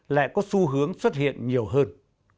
lại có xu hướng xuất hiện nhiều hơn